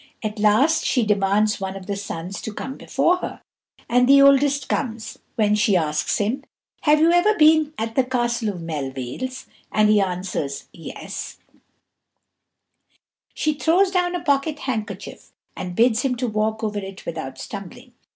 At last she demands one of the sons to come before her; and the oldest comes, when she asks him, "Have you ever been at the Castle of Melvales?" and he answers, "Yes." She throws down a pocket handkerchief and bids him to walk over it without stumbling.